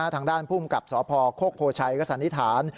ทางด้านพุ่มกับสพโฆภ์โภชัยกษัณฑิษฐาน